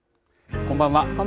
こんばんは。